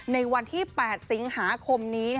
ในวันที่๘สิงหาคมนี้